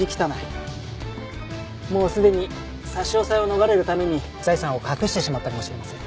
もうすでに差し押さえを逃れるために財産を隠してしまったかもしれません。